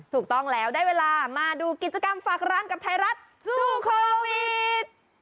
ถูกต้องแล้วได้เวลามาดูกิจกรรมฝากร้านกับไทยรัฐสู้โควิด